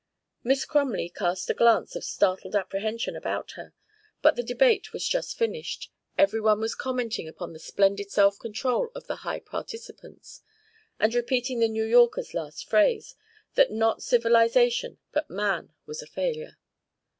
Miss Crumley cast a glance of startled apprehension about her, but the debate was just finished, every one was commenting upon the splendid self control of the high participants, and repeating the New Yorker's last phrase: that not civilisation but man was a failure.